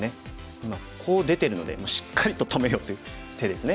今こう出てるのでしっかりと止めようという手ですね。